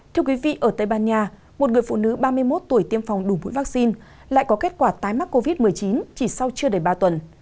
thưa quý vị ở tây ban nha một người phụ nữ ba mươi một tuổi tiêm phòng đủ mũi vaccine lại có kết quả tái mắc covid một mươi chín chỉ sau chưa đầy ba tuần